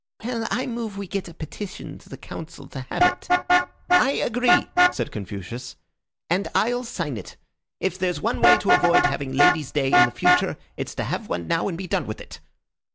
"Well, I move we get up a petition to the council to have it," said Dryden. "I agree," said Confucius, "and I'll sign it. If there's one way to avoid having ladies' day in the future, it's to have one now and be done with it."